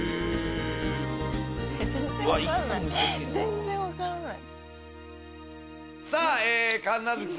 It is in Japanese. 全然分からない。